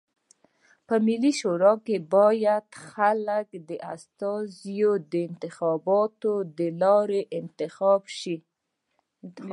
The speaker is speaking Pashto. په ملي شورا کي بايد د خلکو استازي د انتخاباتو د لاري انتخاب سی.